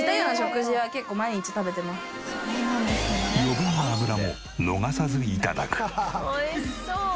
余分な脂も逃さず頂く。